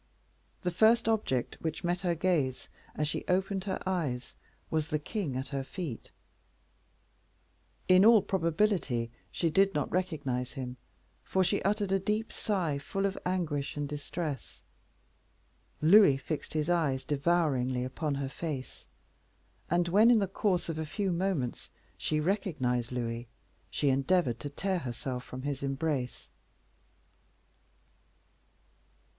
The first object which met her gaze, as she opened her eyes, was the king at her feet; in all probability she did not recognize him, for she uttered a deep sigh full of anguish and distress. Louis fixed his eyes devouringly upon her face; and when, in the course of a few moments, she recognized Louis, she endeavored to tear herself from his embrace.